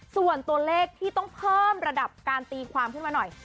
ส่วนตัวเลขที่ต้องเพิ่มระดับการตีความขึ้นมาหน่อย